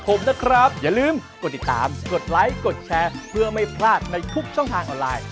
กดติดตามกดไลค์กดแชร์เพื่อไม่พลาดในทุกช่องทางออนไลน์